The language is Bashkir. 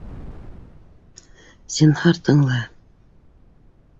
Зинһар, тыңла!